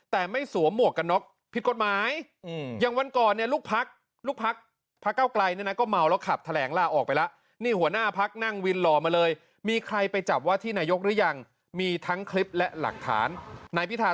แต่ไม่สวมหมวกกันน็กผิดกฎหมาย